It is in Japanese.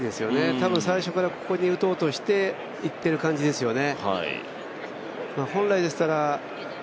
多分最初からここに打とうとしていってる感じですよね。